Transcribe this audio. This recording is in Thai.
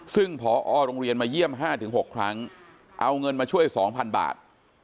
ซึ่งผอโรงเรียนมาเยี่ยมห้าถึงหกครั้งเอาเงินมาช่วยสองพันบาท